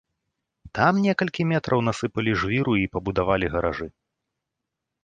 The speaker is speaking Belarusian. Там некалькі метраў насыпалі жвіру і пабудавалі гаражы.